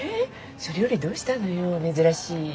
それよりどうしたのよ珍しい。